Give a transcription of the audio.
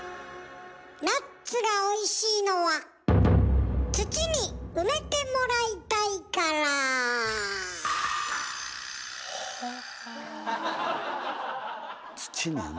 ナッツがおいしいのは土に埋めてもらいたいから。ははぁ。